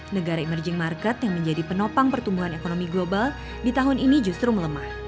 negara emerging market yang menjadi penopang pertumbuhan ekonomi global di tahun ini justru melemah